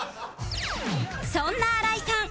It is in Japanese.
そんな新井さん